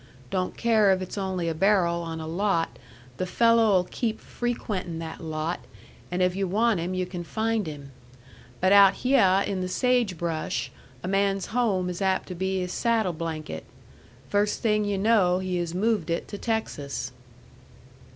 Don't care if it's only a barrel on a lot, the fello' will keep frequentin' that lot, and if yu' want him yu' can find him. But out hyeh in the sage brush, a man's home is apt to be his saddle blanket. First thing yu' know, he has moved it to Texas."